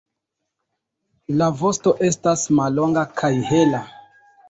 La vosto estas mallonga kaj hela.